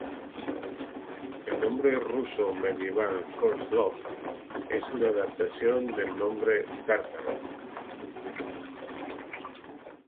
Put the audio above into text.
El nombre ruso medieval "Kozlov" es una adaptación del nombre tártaro.